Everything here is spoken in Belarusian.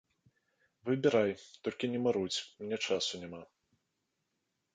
Выбірай, толькі не марудзь, мне часу няма.